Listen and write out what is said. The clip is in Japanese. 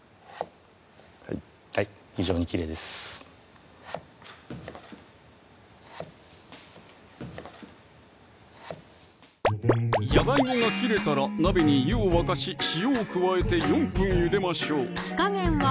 はいはい非常にきれいですじゃがいもが切れたら鍋に湯を沸かし塩を加えて４分ゆでましょう火加減は？